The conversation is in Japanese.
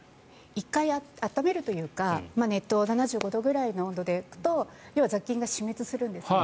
１回温めるというか熱湯、７５度くらいの温度だと要は雑菌が死滅するんですね。